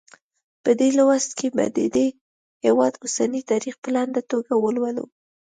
په دې لوست کې به د دې هېواد اوسنی تاریخ په لنډه توګه ولولو.